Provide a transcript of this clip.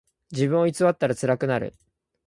自分を偽ったらつらくなる。